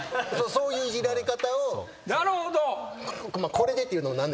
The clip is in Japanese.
そういういじられ方。